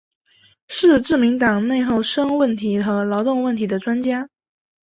是自民党内厚生问题和劳动问题的专家。